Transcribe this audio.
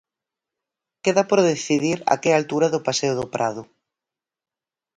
Queda por decidir a que altura do Paseo do Prado.